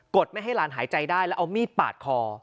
ดไม่ให้หลานหายใจได้แล้วเอามีดปาดคอ